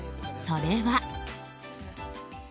それは。